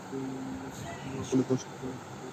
পণ্ডিতমহাশয় বলিতেন, তাঁহার বয়স সবে চল্লিশ বৎসর।